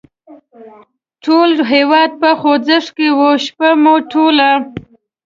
ټول هېواد په خوځښت کې و، شپه مو ټوله.